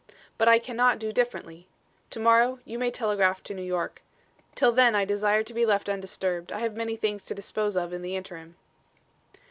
But I can not do differently. To morrow, you may telegraph to New York. Till then I desire to be left undisturbed. I have many things to dispose of in the interim."